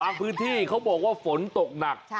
พื้นที่เขาบอกว่าฝนตกหนัก